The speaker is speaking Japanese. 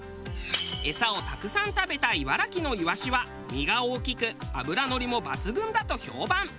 餌をたくさん食べた茨城のイワシは身が大きく脂乗りも抜群だと評判。